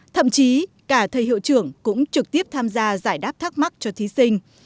thậm chí cả thầy hiệu trưởng cũng trực tiếp tham gia giải đáp thắc mắc cho thí sinh